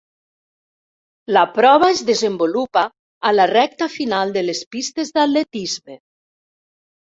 La prova es desenvolupa a la recta final de les pistes d'atletisme.